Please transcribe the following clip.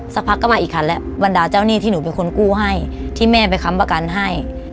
สักพักก็มาอีกคันแล้วบรรดาเจ้าหนี้ที่หนูเป็นคนกู้ให้ที่แม่ไปค้ำประกันให้